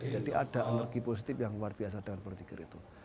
jadi ada energi positif yang luar biasa dengan berzikir itu